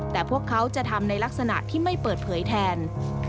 แต่พวกเขาจะทำในลักษณะที่ไม่เปิดเผยแทน